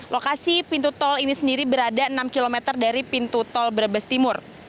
lokasi pintu tol ini sendiri berada enam km dari pintu tol brebes timur